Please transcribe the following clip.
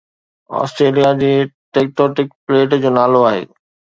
Australia جي tectonic plate جو نالو آهي